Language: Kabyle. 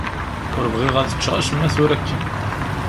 Ur bɣiɣ ad ččeɣ acemma tura akka.